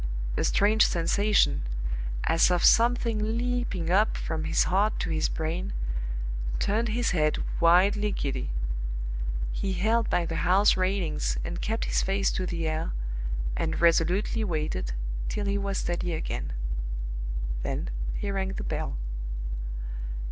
A strange sensation, as of something leaping up from his heart to his brain, turned his head wildly giddy. He held by the house railings and kept his face to the air, and resolutely waited till he was steady again. Then he rang the bell.